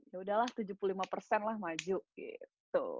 yaudah lah tujuh puluh lima lah maju gitu